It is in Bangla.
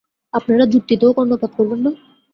আপনারা যুক্তিতেও কর্ণপাত করবেন না?